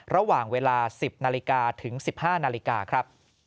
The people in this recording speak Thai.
ระหว่างเวลา๑๐นาฬิกาถึง๑๕นาฬิกาครับ